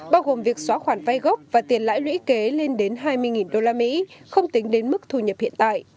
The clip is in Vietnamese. bao gồm việc xóa khoản vay gốc và tiền lãi lũy kế lên đến hai mươi đô la mỹ không tính đến mức thu nhập hiện tại